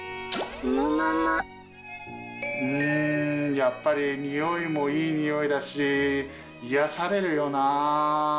やっぱり匂いもいい匂いだし癒やされるよな。